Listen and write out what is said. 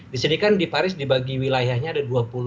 disini kan di paris dibagi wilayahnya ada dua puluh